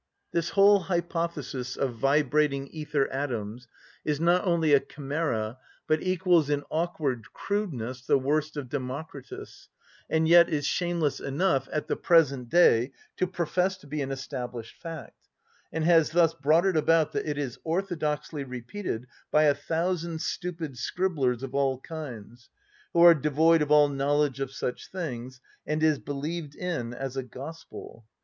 This whole hypothesis of vibrating ether atoms is not only a chimera, but equals in awkward crudeness the worst of Democritus, and yet is shameless enough, at the present day, to profess to be an established fact, and has thus brought it about that it is orthodoxly repeated by a thousand stupid scribblers of all kinds, who are devoid of all knowledge of such things, and is believed in as a gospel.